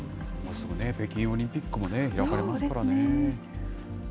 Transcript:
もうすぐね、北京オリンピックも開かれますからね。